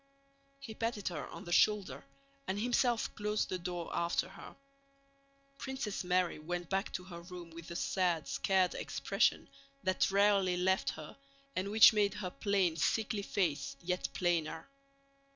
He patted her on the shoulder and himself closed the door after her. Princess Mary went back to her room with the sad, scared expression that rarely left her and which made her plain, sickly face yet plainer.